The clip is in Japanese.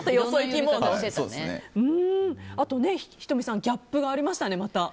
あと仁美さんギャップがありましたね、また。